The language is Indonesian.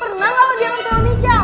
pernah gak lo dianggap sama michelle